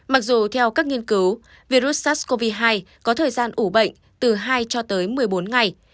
mặc dù theo các nghiên cứu virus sars cov hai có thời gian ủ bệnh từ hai cho tới một mươi bốn ngày